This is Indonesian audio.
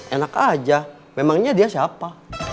enak aja memangnya dia siapa